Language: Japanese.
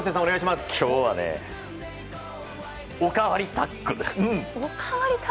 今日は、おかわりタックル。